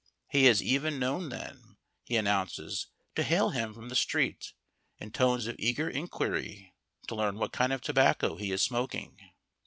He has even known them, he announces, to hail him from the street, in tones of eager inquiry, to learn what kind of tobacco he is smoking.